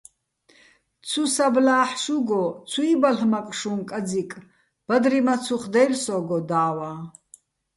ცუ საბლა́ჰ̦ შუგო, ცუჲ ბალ'მაკ შუჼ კაძიკ, ბადრი მაცუხ დაჲლი̆ სო́გო და́ვაჼ.